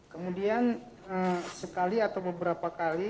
kemudian sekali atau beberapa kali